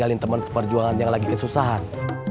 lagi temen temen seperjuangan yang lagi kesusahan